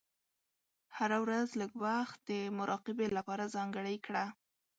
هره ورځ لږ وخت د مراقبې لپاره ځانګړی کړه.